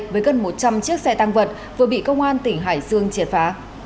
với gần một trăm linh chiếc xe tăng vật vừa bị công an tỉnh hải dương triệt phá